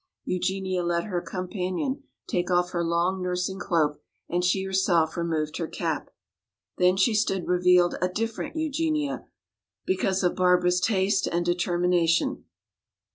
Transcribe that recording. Eugenia let her companion take off her long nursing cloak and she herself removed her cap. Then she stood revealed a different Eugenia, because of Barbara's taste and determination.